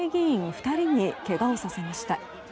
２人にけがをさせました。